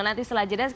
nanti setelah jeda